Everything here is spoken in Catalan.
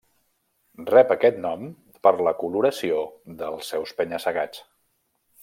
Rep aquest nom per la coloració dels seus penya-segats.